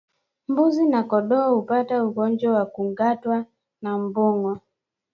Mbuzi na kondoo hupata ugonjwa kwa kungatwa na mbungo